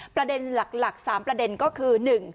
ประเด็นหลัก๓ประเด็นก็คือ